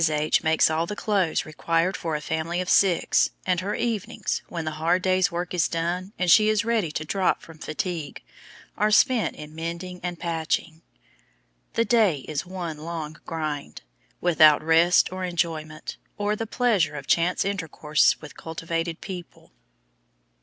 H. makes all the clothes required for a family of six, and her evenings, when the hard day's work is done and she is ready to drop from fatigue, are spent in mending and patching. The day is one long GRIND, without rest or enjoyment, or the pleasure of chance intercourse with cultivated people.